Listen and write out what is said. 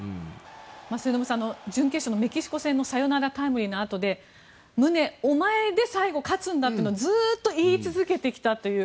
末延さん準決勝のメキシコ戦のサヨナラタイムリーのあとムネ、お前で勝つんだとずっと言い続けてきたという。